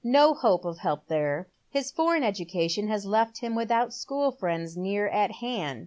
No hope or help there. His foreign education has left him without school friends near at hand.